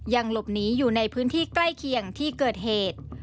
ยังหลบหนีอยู่ในพื้นที่ใกล้เคียงที่เกิดเหตุ